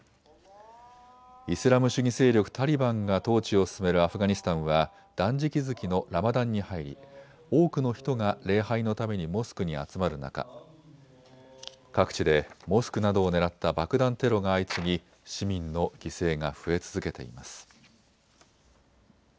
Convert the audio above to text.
イスラム主義勢力タリバンが統治を進めるアフガニスタンは断食月のラマダンに入り多くの人が礼拝のためにモスクに集まる中、各地でモスクなどを狙った爆弾テロが相次ぎ、市民の犠牲が増え続けています。